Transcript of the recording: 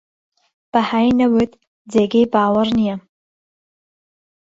بەهای نەوت جێگەی باوەڕ نییە